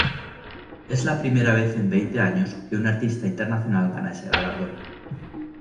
Es la primera vez en veinte años que un artista internacional gana ese galardón.